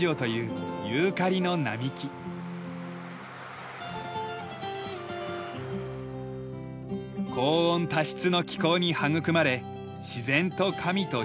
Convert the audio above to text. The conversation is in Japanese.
高温多湿の気候に育まれ自然と神と人が一つになる。